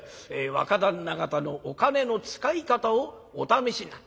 「若旦那方のお金の使い方をお試しになる」。